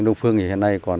đông phương hiện nay còn